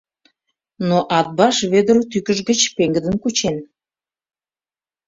Но Атбаш Вӧдыр тӱкыж гыч пеҥгыдын кучен.